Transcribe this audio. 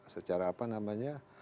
secara apa namanya